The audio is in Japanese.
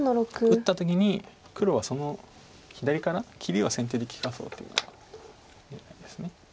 打った時に黒はその左から切りを先手で利かそうというのが狙いです。